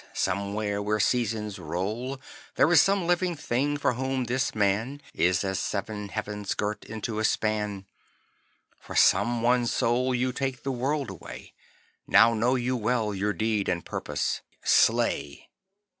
somewhere where seasons roll There is some living thing for whom this man Is as seven heavens girt into a span, For some one soul you take the world away Now know you well your deed and purpose. Slay!'